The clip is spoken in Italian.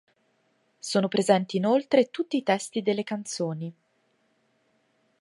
Sono presenti inoltre tutti i testi delle canzoni.